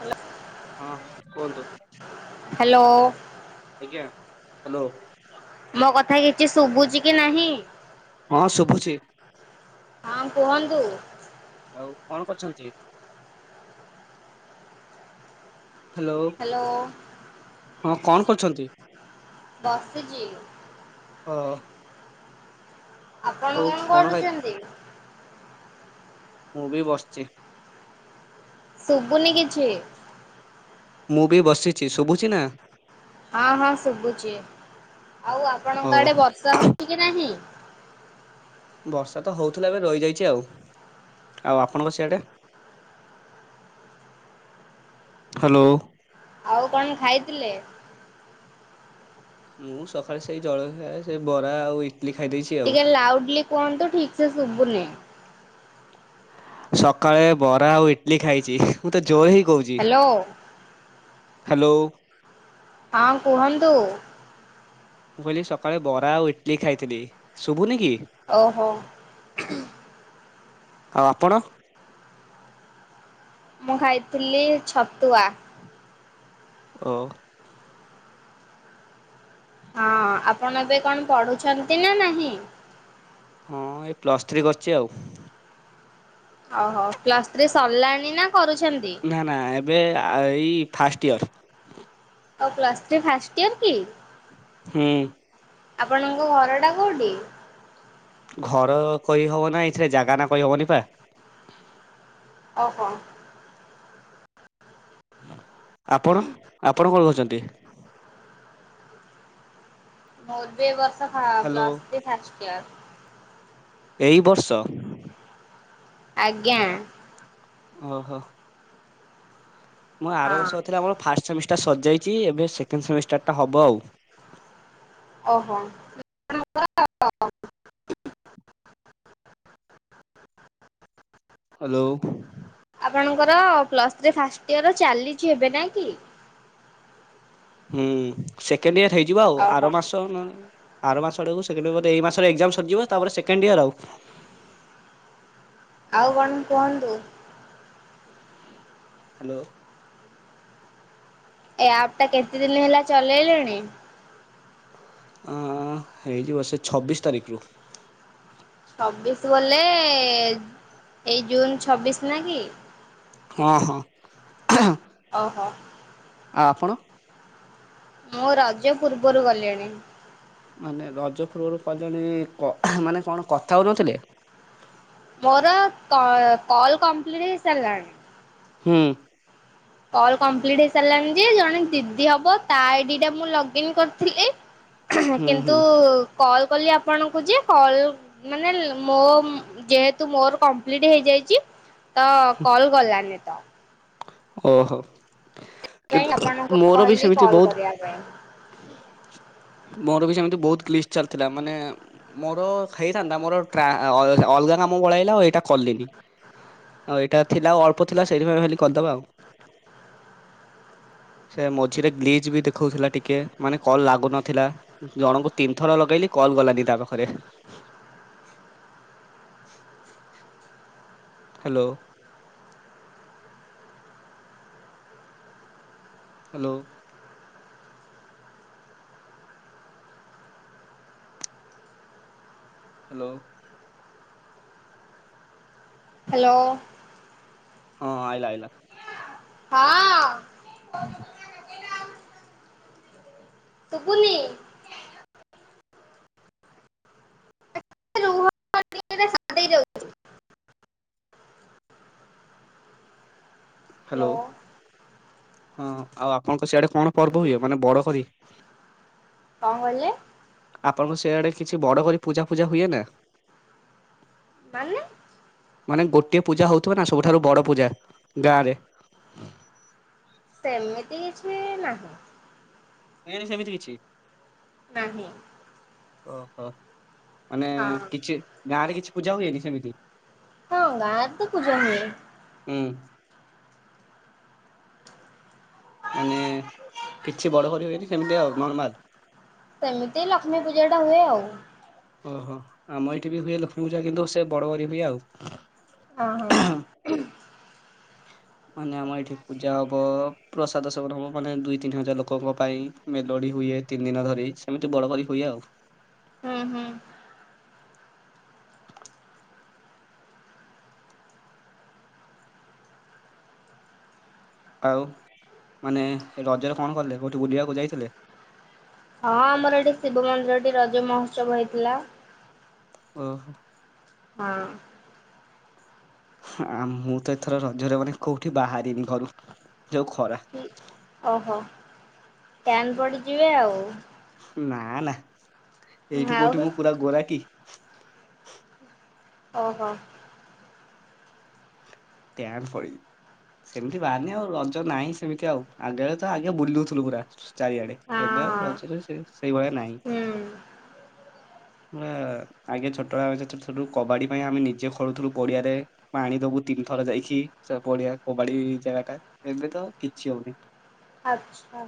Hello. ହଁ କୁହନ୍ତୁ hello ଆଜ୍ଞା ହ୍ୟାଲୋ ମୋ କଥା କିଛି ଶୁଭୁଚି କି ନାହିଁ? ହଁ ଶୁଭୁଚି। ହଁ କୁହନ୍ତୁ। ଆଉ କଣ କରୁଛନ୍ତି। ହ୍ୟାଲୋ ହ କଣ କରୁଛନ୍ତି। ବସିଛି। ଓ ଆପଣ କଣ କରୁଛନ୍ତି? ମୁଁ ବି ବସଛି। ଶୁଭୁନି କିଛି। ମୁଁ ବି ବସିଛି ଶୁଭୁଛି ନା। ହଁ ହଁ ଶୁଭୁଛି ଆଉ ଓ ଆପଣଙ୍କ ଆଡେ ବର୍ଷା ହଉଛି କି ନାହିଁ। ବର୍ଷା ତ ହଉଥିଲା ଏବେ ରହିଯାଇଛି ଆଉ ଆଉ ଆପଣଙ୍କ ସିଆଡ଼େ। ହ୍ୟାଲୋ। ଆଉ କଣ ଖାଇଥିଲେ? ମୁଁ ସକାଳେ ସେଇ ଜଳଖିଆ ସେ ବରା ଆଉ ଇଡିଲି ଖାଇ ଦେଇଛି। ଟିକେ ଲାଉଡଲି କୁହନ୍ତୁ ଠିକ ସେ ଶୁଭୁନି। ସକାଳେ ବରା ଆଉ ଇଟଲିି ଖାଇଛି ମୁଁ ତ ଜୋର ହେଇ କହୁଛି। ହ୍ୟାଲୋ। ହ୍ୟାଲୋ। ହଁ କୁହନ୍ତୁ। ମୁଁ କହିଲି ସକାଳେ ବରା ଆଉ ଇଟଲିି ଖାଇଥିଲି ଶୁଭୁନି କି? ଓହୋ। ଆଉ ଆପଣ। ମୁଁ ଖାଇଥିଲି ଛତୁଆ। ଓ। ହଁ ଆପଣ ଏବେ କଣ ପଢୁଛନ୍ତି ନା ନାହିଁ? ହଁ ଏଇ ପ୍ଲସ୍ ଥ୍ରୀ କରିଛି ଆଉ। ଓହୋ ପ୍ଲସ ଥ୍ରୀ ସରିଲାଣି ନା କରୁଛନ୍ତି। ନା ନା ଏବେ ଏଇ ଫାଷ୍ଟ ଇୟର। ଓ ପ୍ଲସ ଥ୍ରି ଫାଷ୍ଟ ଇୟର କି। ହୁଁ। ଆପଣଙ୍କ ଘରଟା କୋଉଠି। ଘର କହିହବ ନା ଏଥିରେ ଜାଗା ନା କହିହବନି ପା। ଓହୋ। ଆପଣ ଆପଣ କୋଉଠି ରହୁଛନ୍ତି। ମୋର ବି ବର୍ଷ hello plus three first year. ଏହି ବର୍ଷ। ଆଜ୍ଞା। ଓହୋ ଓହୋ। ମୁଁ ଆର ହଁ ବର୍ଷ ଥିଲା ଆମର ଫାଷ୍ଟ ସେମିଷ୍ଟାର ସରିଯାଇଛି ଏବେ ସେକେଣ୍ଡ ସେମିଷ୍ଟାରଟା ହବ ଆଉ। ଓହୋ ଓହୋ। ହ୍ୟାଲୋ। ଆପଣଙ୍କର ପ୍ଲସ ଥ୍ରି ଫାଷ୍ଟ ଇୟର ଚାଲିଛି ହେବେ ନା କି। ହୁଁ ସେକେଣ୍ଡ ଇୟର ହେଇଯିବ ଓହୋ ଆର ମାସ। ଆର ମାସ ଆଡକୁ ଏଇ ମାସର ଏକ୍ସାମ ସରିିବ ତାପରେ ସେକଣ୍ଡ ଇୟର ଆଉ। ଆଉ କଣ କୁହନ୍ତୁ। ହ୍ୟାଲୋ। ଏ ଆପ୍ ଟା କେତେ ଦିନ ହେଲା ଚଲେଇଲେଣି? ଅଁ, ହେଇଯିବ ସେ ଛବିଶ ତାରିଖରୁ। ଛବିଶ ବଲେ ଏଇ ଜୁନ ଛବିଶ ନା କି? ହଁ, ହଁ। ଓହୋ। ଆ, ଆପଣ? ମୁଁ ରଜ ପୂର୍ବରୁ ଗଲିଣି। ମାନେ ରଜପୂର୍ବରୁ କଲେଣି କ-ମାନେ କଣ କଥା ହଉନଥିଲେ? ମୋର କ-କଲ୍ କମ୍ପ୍ଲିଟ୍ ହେଇସାରିଲାଣି। ହୁଁ। କଲ୍ କମ୍ପ୍ଲିଟ୍ ହେଇସାରିଲାଣି ଯେ ଜଣେ ଦିଦି ହବ ତା ଆଇଡି ଟା ମୁଁ ଲଗ୍ଇନ କରିଥିଲି। [unintelligible] କିନ୍ତୁ ହୁଁ କଲ୍ କଲି ଆପଣଙ୍କୁ ଯେ କଲ୍ ମାନେ ମୋ ଯେହେତୁ ମୋର କମ୍ପ୍ଲିଟ୍ ହେଇଯାଇଚି। ତ କଲ୍ ଗଲାନି। ଓହୋ, ସେଥିପାଇଁ କିନ୍ତୁ ଆପଣଙ୍କୁ ମୋର ବି କହିଲି ସେମିତି କଲ୍ ବହୁତ କରିବା ପାଇଁ ମୋର ବି ସେମିତି ବହୁତ ଗ୍ଲିସ୍ ଚାଲିଥିଲା ମାନେ ମୋର ହେଇଥାନ୍ତା ମୋର ଟ୍ରା ଅଲଗା ଅଲଗା କାମ ପଳିଆଇଲା ଆଉ ଏଇଟା କଲିନି, ଆଉ ଏଇଟା ଥିଲା ଆଉ ଅଳ୍ପ ଥିଲା ସେଇଥିପାଇଁ ଭାବିଲି କରିଦବା ଆଉ। ସେ ମଝିରେ ଗ୍ଲିଚ୍ ବି ଦେଖଉଥିଲା ଟିକେ ମାନେ କଲ୍ ଲାଗୁ ନ ଥିଲା ଜଣଙ୍କୁ ତିନି ଥର ଲଗେଇଲି କଲ୍ ଗଲାନି ତା ପାଖରେ। ହ୍ୟାଲୋ। ହ୍ୟାଲୋ। ହ୍ୟାଲୋ। ହ୍ୟାଲୋ। ହଁଁ ଆଇଲା ଆଇଲା। ହଁ [unintelligible] ଶୁଭୁନି। [inaudible] ଯାଉଛି। ହ୍ୟାଲୋ, ହଁ ଆଉ ଆପଣଙ୍କ ସିଆଡେ କଣ ପର୍ବ ହୁଏ ମାନେ ବଡ କରି? କଣ କହିଲେ? ଆପଣଙ୍କ ସେଆଡେ କିଛି ବଡ କରି ପୂଜା ଫୂଜା ହୁଏ ନା? ମାନେ? ମାନେ ଗୋଟିଏ ପୂଜା ହଉଥିବ ନା ସବୁଠାରୁ ବଡ଼ ପୂଜା ଗାଁ ରେ। ସେମିତି କିଛି ନାହିଁ। ହୁଏନି ସେମିତି କିଛି। ନାହିଁ। ଓହୋ, ମାନେ ହଁ କିଛି ଗାଁ ରେ କିଛି ପୂଜା ହୁଏନି ସେମିତି? ହଁ ଗାଁ ରେ ତ ପୂଜା ହୁଏ। ହୁଁ। ମାନେ କିଛି ବଡ କରିବେନି ସେମିତି ଆଉ ନର୍ମାଲ୍? ସେମିତି ଲକ୍ଷ୍ମୀ ପୂଜା ଟା ହୁଏ ଆଉ। ଓହୋ, ଆମ ଏଇଠି ବି ହୁଏ ଲକ୍ଷ୍ମୀ ପୂଜା କିନ୍ତୁ ସେ ବଡ କରି ହୁଏ ଆଉ। ଅଁ, ହଁ। ମାନେ ଆମ ଏଇଠି ପୂଜା ହବ ଅ ଅ। ପ୍ରସାଦ ସେବନ ହବ ମାନେ ଦୁଇ ତିନି ହଜାର ଲୋକଙ୍କ ପାଇଁ ମେଲୋଡି ହୁଇଏ ତିନି ଦିନ ଧରି ସେମିତି ବଡ କରି ହୁଇଏ ଆଉ। ହୁଁ ହୁଁ। ଆଉ ମାନେ ରଜରେ କଣ କଲେ କୋଉଠି ବୁଲିବାକୁ ଯାଇଥିଲେ? ହଁ ଆମର ଏଠି ଶିବ ମନ୍ଦିରଠି ରଜ ମହୋତ୍ସବ ହେଇଥିଲା। ଓହୋ। ହଁ। ଆଁ ମୁଁ ତ ଏଥର ରଜରେ ମାନେ କୋଉଠି ବାହାରିନି ଘରୁ ଯୋଉ ଖରା ଓହୋ ଟ୍ୟାନ୍ ପଡ଼ିଯିବେ ଆଉ। ନା ନା ଏଇଠୁ କୋଉଠି ଆଉ ମୁଁ ପୁରା ଗୋରା କି? ଓହୋ। ଟ୍ୟାନ୍ ପଡିବି ସେମିତି ବାହାରିନି ଆଉ ରଜ ନାଇଁ ସେମିତି ଆଉ ଆଗେବେଳେ ତ ଆଗେ ବୁଲୁଥୁଲୁ ପୁରା। ଚାରିଆଡ଼େ ହଁ ଏବେ ଆଉ ହଁ ରଜରେ ସେ ସେଇଭଳିଆ ନାହିଁ। ହୁଁ। ମୂଳା ଆଗେ ଛୋଟ ବେଳେ ଆମେ ଛୋଟ ଥୁଲୁ କବାଡ଼ି ପାଇଁ ଆମେ ନିଜେ ଖେଳୁଥିଲୁ ପଡ଼ିଆରେ ପାଣି ଦବୁୁ ତିନ ଥର ଯାଇକି ସ ପଡ଼ିଆ କବାଡ଼ି ଜାଗାଟା ଏବେ ତ କିଛି ହଉନି। ଆଚ୍ଛା।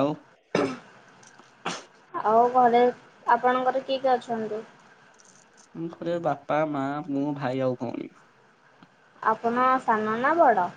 ଆଉଁ? ଆଉ ଘରେ ଆପଣଙ୍କର କିଏ କିଏ ଅଛନ୍ତି? ମୁଁ ଘରେ ବାପା, ମାଆ, ମୁଁ, ଭାଇ ଆଉ ଭଉଣୀ। ଆପନ ସାନ ନା ବଡ଼?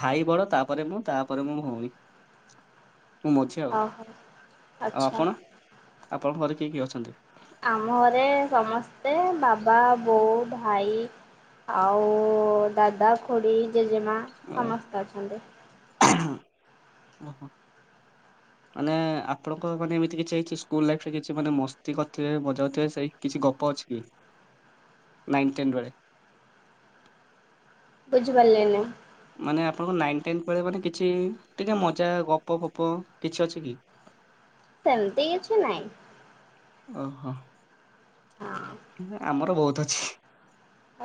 ଭାଇ ବଡ଼ ତାପରେ ମୁଁ ତାପରେ ମୋ ଭଉଣୀ। ମୁଁ ମଝି ଆଉ। ଓହୋ ଆଉ ଆଚ୍ଛା। ଆପଣ ଆପଣଙ୍କ ଘରେ କିଏ କିଏ ଅଛନ୍ତି? ଆମ ଘରେ ସମସ୍ତେ ବାବା, ବୋଉ, ଭାଇ ଆଉ ଦାଦା, ଖୁଡ଼ି, ଜେଜେମା ସମସ୍ତେ ଅଛନ୍ତି। ହୁଁ ଓହୋ। ମାନେ ଏ ଏ ଆପଣଙ୍କ ମାନେ ଏମିତି କିଛି ହେଇଚି ସ୍କୁଲ୍ ଲାଇଫ୍ ରେ କିଛି ମାନେ ମସ୍ତି କରିଥିବେ ମଜାଉଥିବେ ସେଇ କିଛି ଗପ ଅଛି କି? ନାଇନ ଟେନ୍ ରହେ। ବୁଝିପାରିଲିନି। ମାନେ ଆପଣଙ୍କ ନାଇନ ଟେନ୍ଥ ବେଳେ ମାନେ କିଛି ଟିକେ ମଜା ଗପ ଫପ କିଛି ଅଛି କି? ସେମତି କିଛି ନାଇଁ। ଓହୋ। ହଁ ନା ଆମର ବହୁତୁ ଅଛି।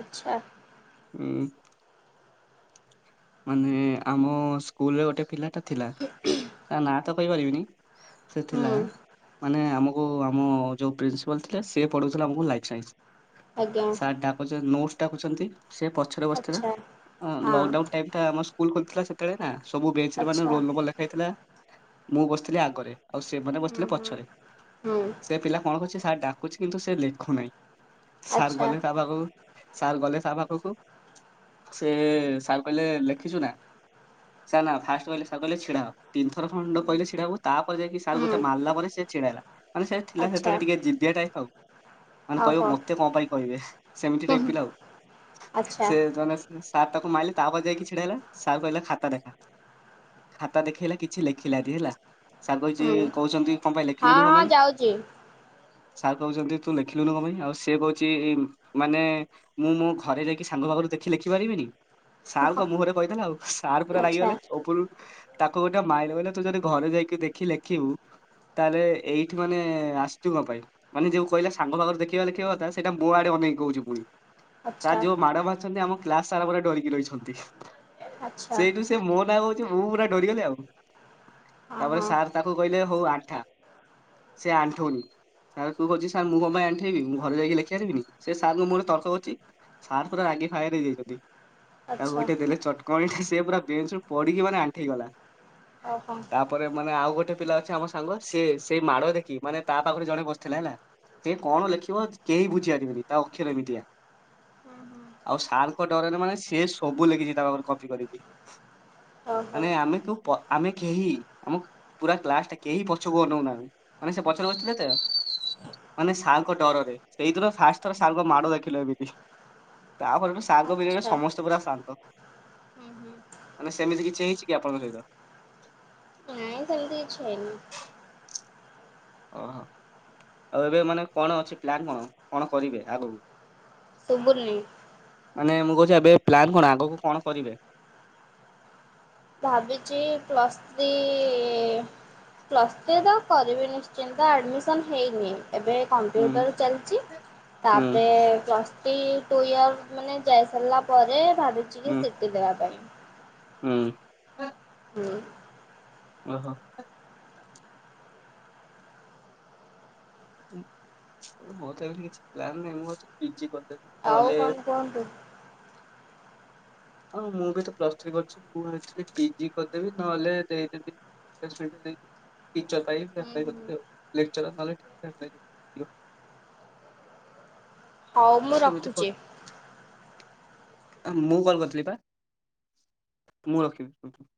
ଆଚ୍ଛା। ଉଁ ମାନେ ଏ ଏ ଆମ ସ୍କୁଲରେ ଗୋଟେ ପିଲାଟା ଥିଲା ତା ନାଁ ତ କହିପାରିବିନି ସେ ଥିଲା ହୁଁ ମାନେ ଆମକ କୁ ଆମ ଯୋଉ ପ୍ରିନ୍ସିପାଲ୍ ଥିଲେ ସିଏ ପଢ଼ଉଥୁଲା ଆମକୁ ଲାଇଫ୍ ସାଇନ୍ସ। ଆଜ୍ଞା ସାର୍ ଡ଼ାକୁଚନ ନୋଟ୍ସ ଡାକୁଛନ୍ତି ସିଏ ପଛର ବସିଥିଲା ଆଚ୍ଛା ହଁ ଲକ୍ଡାଉନ ଏମତା ଆମ ସ୍କୁଲ ଖୋଲି ଥିଲା ସେତେବେଳେ ନା ସବୁ ବେଞ୍ଚରେ ମାନେ ଆଚ୍ଛା ରୋଲ ନମ୍ବର ଲେ ହେଇଥିଲା ମୁଁ ବସଥିଲି ଆଗରେ ଆଉ ସେମାନେ ହୁଁ ବସିଥିଲେ ହୁଁ ପଛରେ। ହୁଁ ସେ ପିଲା କଣ କରଚି ସାର୍ ଡାକୁଚି କିନ୍ତୁ ସେ ଲେଖୁନାଇଁ ସାର୍ ଆଚ୍ଛା ଗଲେ ତା ପାଖକୁ ସାର୍ ଗଲେ ସା ପାଖୁକୁ ସେ ଏ ଏ ସାର୍ କହିଲେ ଲେଖିଚୁ ନା? ସାର୍ ନା ଫାଷ୍ଟ କହିଲେ ସାର୍ କହିଲେ ଛିଡା ହଅ। ତିନିଥର ଖଣ୍ଡ କହିଲେ ସେଟାକୁ ତା ପରେ ଯାଇକି ସାର୍ ଗୋଟେ ହୁଁ ମାରିଲା ପରେ ସେ ଛିଡାହେଲା। ମାନେ ସେ ଥିଲା ଆଚ୍ଛା ସେଥିରେ ଟିକେ ଜିଦିଆ ଟାଇପର ଆଉ। ମାନେ କହିବ ଓହୋ ମତେ କଣ ପାଇଁ କହିବେ? ସେମିତି ହୁଁ ଟାଇପ୍ ହୁଁ ପିଲା ଆଉ। ଆଚ୍ଛା ସେ ଜନେ ସାର ତାକୁ ମାଇଲେ ତାପରେ ଯାଇକି ଛିଡା ହେଲା, ସାର୍ କହିଲେ ଖାତା ଦେଖା। ଖାତା ଦେଖେଇଲା କିଛି ଲେଖିଲାନି ହେଲା। ଶାଗ ହେଇଛି ହୁଁ କହୁଛନ୍ତି କଣ ପାଇଁ ହଁ ଲେଖିଲୁନି କଣ ହଁ ପାଇଁ? ଯାଉଛି ସାର୍ କହୁଛନ୍ତି ତୁ ଲେଖିଲୁନୁ କଣ ପାଇଁ? ଆଉ ସେ କହୁଛି ମାନେ ମୁଁ ମୋ ଘରେ ଯାଇକି ସାଙ୍ଗ ପାଖରୁ ଦେଖି ଲେଖିପାରିବିନି? ସାର୍ଙ୍କ ମୁହଁରେ କହିଦେଲା ଆଉ, ସାର୍ ପୁରା ଆଚ୍ଛା ରାଗିଗଲେ ଉପରୁ ତାକୁ ଗୋଟେ ମାଇଲେ ବଲେ, ତୁ ଯଦି ଘରେ ଯାଇକି ଦେଖି ଲେଖିବୁ ତାହେଲେ ଏଇଠି ମାନେ ଆସିଛୁ କଣ ପାଇଁ? ମାନେ ଯୋଉ କହିଲ ସାଙ୍ଗ ପାଖରେ ଦେଖିବା ଦେଖିବା କଥା ସେଇଟା ମୋ ଆଡେ ଅନେକି କହୁଛି ପୁଣି। ଆଚ୍ଛା ସାର୍ ଯୋଉ ମାଡମାରିଛନ୍ତି ଆମ କ୍ଲାସ ସାରା ପରେ ଡରିକି ରହିଛନ୍ତି ଆଚ୍ଛା ସେଇଠୁ ସେ ମୋ ନାଁ କହୁଛି ମୁଁ ପୁରା ଡରିଗଲି ଆଉ ହଁ ତାପରେ ହଁ ସାର୍ ତା ତାକୁ କହିଲେ ହଉ ଆଣ୍ଠା ସେ ଆଣ୍ଠୁନି। ସାର୍ କୁ କହୁଛି ସାର୍ ମୁଁ କଣ ପାଇଁ ଆଣ୍ଠେଇବି ମୁଁ ଘରେ ଯାଇକି ଲେଖିଆନିବିନି ସେ ସାରଙ୍କ ମୁହଁରେ ଉତ୍ତର ଦେଉଛି। ସାର୍ ପୁରା ରାଗି ଫାୟାର ହେଇଯାଇଛନ୍ତି। ତାକୁ ଆଚ୍ଛା ଗୋଟେ ଦେଲେ ଚଟକଣି ଟା ସେ ପୁରା ବେଞ୍ଚ ପଡିକି ମାନେ ଆଣ୍ଠେଇଗଲା। ଓହୋ। ତାପରେ ମାନେ ଆଉ ଗୋଟେ ପିଲା ଅଛି ଆମ ସାଙ୍ଗ ସେଏ ସେଇ ମାଡ଼ ଦେଖି ମାନେ ତା ପାଖରେ ଜଣେ ବସିଥିଲା ହେଲା। ସେ କଣ ଲେଖିବ କେହି ବୁଝିପାରିବନି ତା ଅକ୍ଷରେ ଏମିତିଆ। ହୁଁ ହୁଁ ଆଉ ସାର୍ଙ୍କ ଡରରେ ମାନେ ସେ ସେ ସବୁ ଲେଖିଛି ତା ପାଖରେ କପି କରିକି ଓହୋ ମାନେ ଆମେ କଉ ପ ଆମେ କେହି ଆମ ପୁରା କ୍ଲାସ ଟା କେହି ପଛକୁ ଅନନାଁ ମାନେ ସେ ପଛରେ ବସିଥିଲେ ତ? ମାନେ ସାର୍ଙ୍କ ଡରରେ ସେଇଦିନ ଫାଷ୍ଟ ଥର ସାର୍ଙ୍କ ମାଡ ଦେଖିଲେ ଏମିତି ତାପରେଠୁ ସାର ଙ୍କ ପିରିଡ଼ୟରେ ଆଚ୍ଛା ସମସ୍ତେ ପୁରା ଶାନ୍ତ ହୁଁ ହୁଁ ମାନେ ସେମିତି କିଛି ହେଇଛି କି ଆପଣଙ୍କ ସହିତ? ନାଇଁ ସେମିତି କିଛି ହେଇନି। ଅ। ଆଉ ଏବେ ମାନେ କଣ ଅଛି ପ୍ଲାନ କଣ କଣ କରିବେ ଆଗକୁ? ସୁବୁଣେଇଁ। ମାନେ ମୁଁ କହୁଛି ଏବେ ପ୍ଲାନ୍ କଣ ଆଗକୁ କଣ କରିବେ? ଭାବିଛି ପ୍ଲସ୍ତ୍ରୀ ପ୍ଲସ୍ ଟେ ତ କରିବି ନିଶ୍ଚିନ୍ତ ଆଡ଼ମିସନ୍ ହେଇନି ଏବେ। ହୁଁ କମ୍ପ୍ୟୁଟର ଚାଲିଛି ହୁଁ ତାପରେ କ୍ଲସ୍ ଟି ଟୁ ଇୟର୍ ମାନେ ଯାଇସାରିଲା ପରେ ଭାବିଛି କି ହୁଁ ସିଟି ଦେବା ପାଇଁ। ହୁଁ। ହୁଁ। ଓହୋ। ମୋ ତ ଏମ କିଛି ପ୍ଲାନ୍ ନାହିଁ ମୁଁ ଛି ପିଜି କରିଦେବି। ଆଉ ନହେଲେ କଣ କୁହନ୍ତୁ? ହଁ ମୁଁ ବି ତ ପ୍ଲସ ଥୀ କରିଛି ମୁଁ ଭାବୁଥିଲି ପିଜି କରିଦେବି ନହେଲେ ଦେଇଦେବି। [unintelligible] ଟିଚର ପାଇଁ ହୁଁ ଆପ୍ଲାୟେ ହୁଁ କରିଦେବି ଆଉ ନେକଚର ନହେଲେ ଟିଚର। ହଉ ସେମିତି ମୁଁ ରଖୁଛି। କଲ୍ କରିଥିଲି ପା। ମୁଁ ରଖିବି ବ